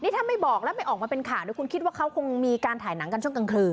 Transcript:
ถ้าไม่บอกแล้วมันออกมาเป็นข่าวแล้วคุณคิดว่าเขาก็มีการทายหนังกันในกลางคือ